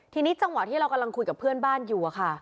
ทีนี้จังหวะที่เรากำลังคุยกับเพื่อนบ้านอยู่อะค่ะ